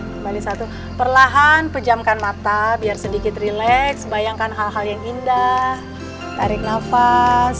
kembali satu perlahan pejamkan mata biar sedikit relax bayangkan hal hal yang indah tarik nafas